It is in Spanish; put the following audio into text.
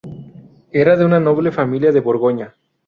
Era de una noble familia de Borgoña.